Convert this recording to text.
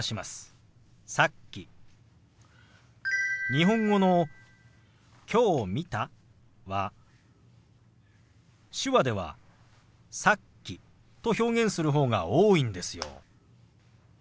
日本語の「きょう見た」は手話では「さっき」と表現する方が多いんですよ。